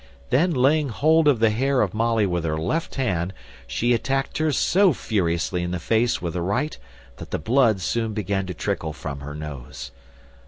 Then laying hold of the hair of Molly with her left hand, she attacked her so furiously in the face with the right, that the blood soon began to trickle from her nose.